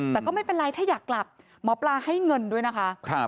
แต่ก็ไม่เป็นไรถ้าอยากกลับหมอปลาให้เงินด้วยนะคะ